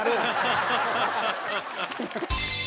ハハハハ！